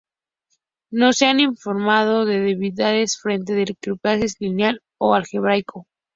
No se han informado de debilidades frente al criptoanálisis lineal o algebraico.